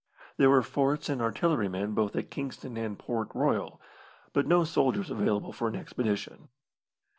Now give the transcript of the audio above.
There were forts and artillerymen both at Kingston and Port Royal, but no soldiers available for an expedition.